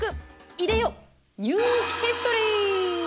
いでよニューヒストリー！